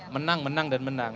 menang menang dan menang